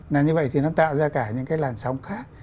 là như vậy thì nó tạo ra cả những cái làn sóng khác